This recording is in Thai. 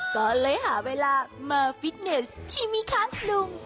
ก็เลยหาเวลามาฟิตเนสที่มิคัสลุง